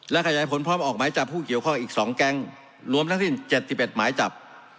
และขยายผลพร้อมออกไม้จับผู้เกี่ยวข้องกับอีกสองแก๊งรวมทั้งที่เจ็ดสิบเอ็ดไม้จับ